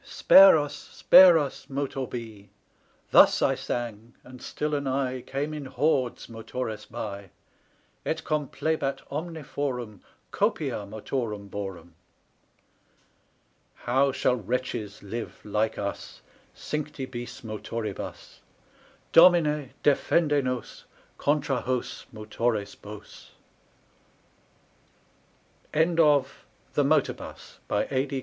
Spare us, spare us, Motor Be! Thus I sang; and still anigh Came in hordes Motores Bi, Et complebat omne forum Copia Motorum Borum. How shall wretches live like us Cincti Bis Motoribus? Domine, defende nos Contra hos Motores Bos! What is this that roareth thus?